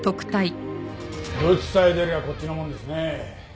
ブツさえ出りゃあこっちのもんですね。